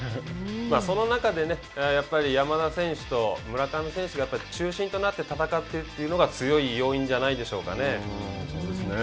その中でやっぱり山田選手と村上選手が中心となって戦ってというのが強い要因じゃないでしょうかね。